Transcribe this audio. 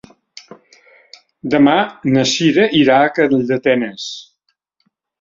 Demà na Cira irà a Calldetenes.